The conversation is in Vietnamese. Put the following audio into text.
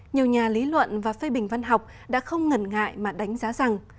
nhiều nhà lý luận và phê bình văn học đã không ngần ngại mà đánh giá rằng